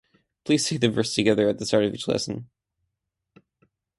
Please say the verse together at the start of each lesson